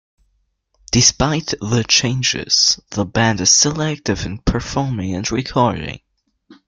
Despite the changes, the band is still active in performing and recording.